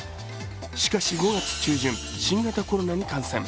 しかし５月中旬、新型コロナに感染。